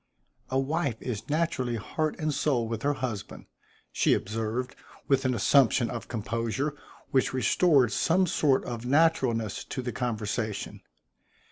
"A wife is naturally heart and soul with her husband," she observed, with an assumption of composure which restored some sort of naturalness to the conversation.